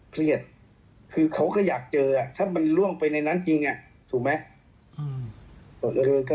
เครียดคือเขาก็อยากเจอถ้ามันล่วงไปในนั้นจริงถูกไหม